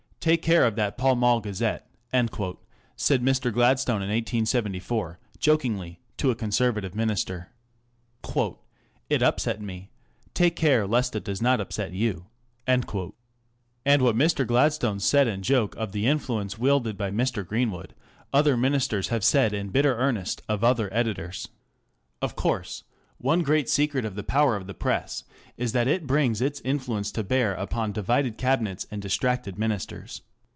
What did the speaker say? Take care of that Pall Mall Gazette/ 7 said Mr. Gladstone in 1874, jokingly, to a Conservative Minister. " It upset me ; take care lest it does not upset you." And what Mr. Gladstone said in joke of the influence Digitized by Google GOVERNMENT BY JOURNALISM. 665 wielded by Mr. Greenwood, other Ministers have said in bitter earnest of other editors. Of course, one great secret of the power of the Press is that it brings its influence to bear upon divided Cabinets and distracted Ministers.